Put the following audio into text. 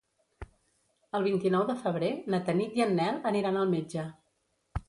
El vint-i-nou de febrer na Tanit i en Nel aniran al metge.